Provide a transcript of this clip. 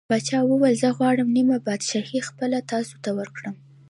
پاچا وویل: زه غواړم نیمه پادشاهي خپله تاسو ته ورکړم.